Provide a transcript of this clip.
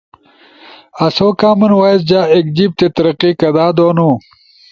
آسو کامن وائس جا ایک جیِب تے ترقی کدا دونو؟